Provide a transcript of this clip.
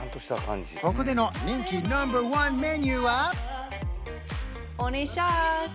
ここでの人気ナンバーワンメニューは？